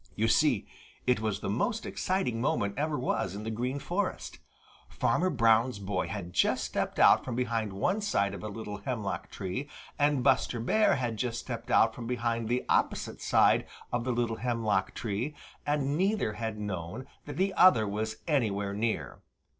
You see, it was the most exciting moment ever was in the Green Forest. Farmer Brown's boy had just stepped out from behind one side of a little hemlock tree and Buster Bear had just stepped out from behind the opposite side of the little hemlock tree and neither had known that the other was anywhere near.